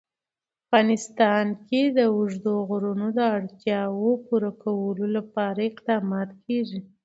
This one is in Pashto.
په افغانستان کې د اوږده غرونه د اړتیاوو پوره کولو لپاره اقدامات کېږي.